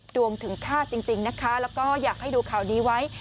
ดวงถึงฆาตจริงนะคะแล้วก็อยากให้ดูข่าวนี้ไว้